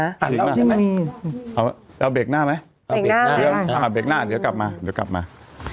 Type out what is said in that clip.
ตัดแล้วได้ไหมเอาเบรกหน้าไหมเอาเบรกหน้าเดี๋ยวกลับมาเดี๋ยวกลับมา